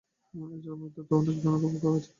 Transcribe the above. এই জলাভূমিতে তো অনেক জোনাক পোকা।